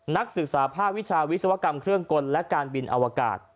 นักศึกษาภาควิชาวิศวกรรมเครื่องกลและการบินอวกาศ